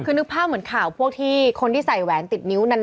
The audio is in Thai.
คือนึกภาพเหมือนข่าวพวกที่คนที่ใส่แหวนติดนิ้วนาน